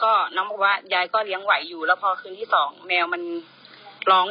ก็น้องบอกว่ายายก็เลี้ยงไหวอยู่แล้วพอคืนที่สองแมวมันร้อง